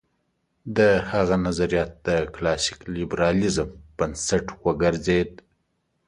د هغه نظریات د کلاسیک لېبرالېزم بنسټ وګرځېد.